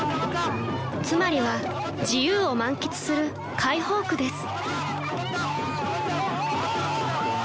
［つまりは自由を満喫する解放区です］